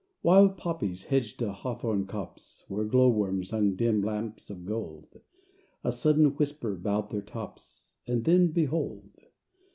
Wild poppies hedged a hawthorne copse, Where glow worms hung dim lamps of gold; A sudden whisper bowed their tops, And then, behold!